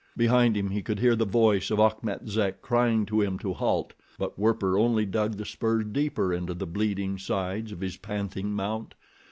Behind him he could hear the voice of Achmet Zek crying to him to halt; but Werper only dug the spurs deeper into the bleeding sides of his panting mount.